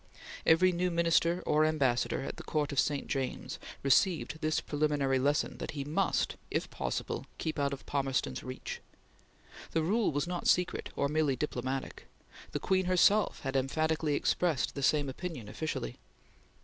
Every new Minister or Ambassador at the Court of St. James received this preliminary lesson that he must, if possible, keep out of Palmerston's reach. The rule was not secret or merely diplomatic. The Queen herself had emphatically expressed the same opinion officially.